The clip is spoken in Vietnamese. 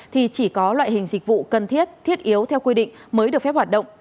thì chỉ có loại hình dịch vụ cần thiết thiết yếu theo quy định mới được phép hoạt động